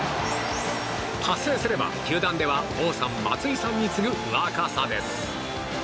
達成すれば球団では、王さん松井さんに次ぐ若さです。